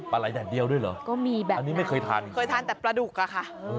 ปลาไหล่แต่เดียวด้วยเหรออันนี้ไม่เคยทานอีกแล้วนะครับเคยทานแต่ปลาดุกล่ะค่ะ